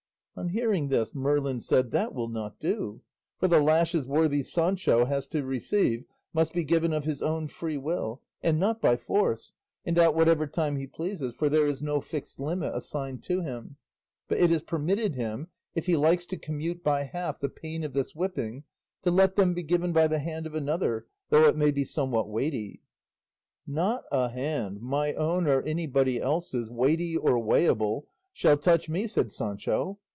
On hearing this Merlin said, "That will not do, for the lashes worthy Sancho has to receive must be given of his own free will and not by force, and at whatever time he pleases, for there is no fixed limit assigned to him; but it is permitted him, if he likes to commute by half the pain of this whipping, to let them be given by the hand of another, though it may be somewhat weighty." "Not a hand, my own or anybody else's, weighty or weighable, shall touch me," said Sancho.